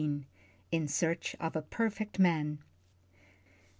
IN SEARCH OF A PERFECT MAN.